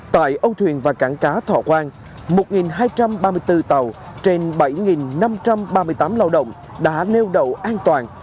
tại âu thuyền và cảng cá thọ quang một hai trăm ba mươi bốn tàu trên bảy năm trăm ba mươi tám lao động đã neo đậu an toàn